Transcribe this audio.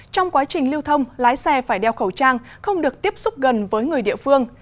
trong quá trình lưu thông lái xe phải đeo khẩu trang không được tiếp xúc gần với người địa phương